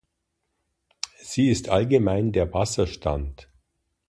Sie ist allgemein der "Wasserstand".